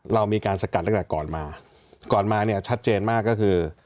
เรามีการสกัดตั้งแต่ก่อนมาก่อนมาเนี่ยชัดเจนมากก็คือ